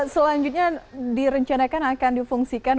selanjutnya direncanakan akan difungsikan